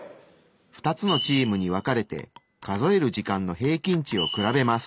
２つのチームに分かれて数える時間の平均値を比べます。